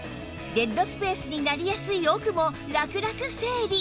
デッドスペースになりやすい奥もラクラク整理